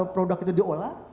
produk itu diolah